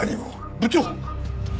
部長！？